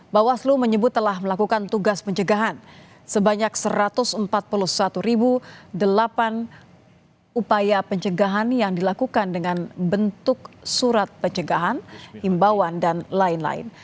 bawaslu menyebut telah melakukan tugas pencegahan sebanyak satu ratus empat puluh satu delapan upaya pencegahan yang dilakukan dengan bentuk surat pencegahan himbauan dan lain lain